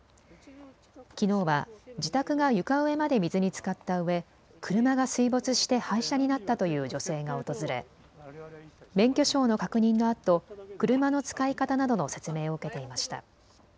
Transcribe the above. きのうは自宅が床上まで水につかったうえ車が水没して廃車になったという女性が訪れ免許証の確認のあと車の使い方などの説明を受けていました。